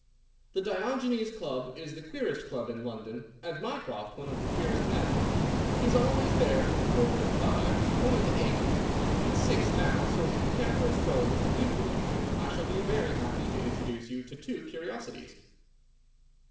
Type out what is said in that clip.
"The Diogenes Club is the queerest club in London, and Mycroft one of the queerest men. He's always there from quarter to five to twenty to eight. It's six now, so if you care for a stroll this beautiful evening I shall be very happy to introduce you to two curiosities."